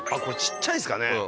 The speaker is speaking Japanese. これ小っちゃいですかね。